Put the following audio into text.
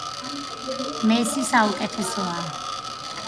მესი საუკეთესოა.